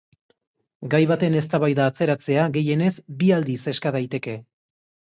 Gai baten eztabaida atzeratzea gehienez bi aldiz eska daiteke.